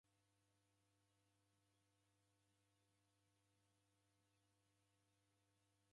Ndew'iw'adie kipalapala chiroghagha mbuw'a ni yaw'o.